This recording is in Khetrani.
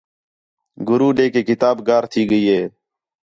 گُرو ݙے کہ کتاب گار تھی ڳئی ہِے